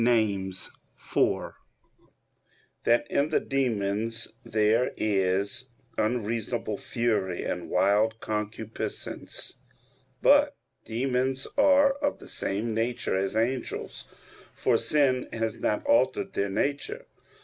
Nom. iv) that in the demons there is "unreasonable fury and wild concupiscence." But demons are of the same nature as angels; for sin has not altered their nature.